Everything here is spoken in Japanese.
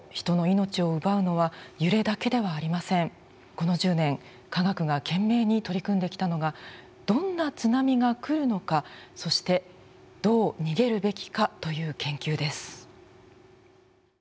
この１０年科学が懸命に取り組んできたのがどんな津波が来るのかそしてどう逃げるべきかという研究です。